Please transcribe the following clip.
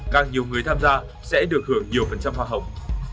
càng nhiều người tham gia sẽ được hưởng nhiều phần trăm hoa hồng